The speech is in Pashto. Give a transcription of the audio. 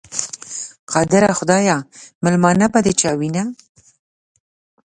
قادره خدایه، مېلمنه به د چا وینه؟